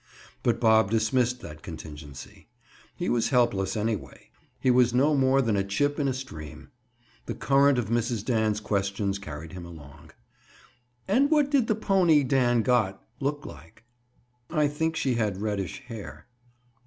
But Bob dismissed that contingency. He was helpless, anyway. He was no more than a chip in a stream. The current of Mrs. Dan's questions carried him along. "And what did the pony Dan got, look like?" "I think she had reddish hair."